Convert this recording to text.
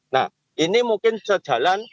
nah ini mungkin sejalan